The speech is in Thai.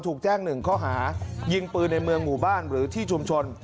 ถูกแจ้ง๑ข้อหายิงปืนในเมืองหมู่บ้านหรือที่ชุมชน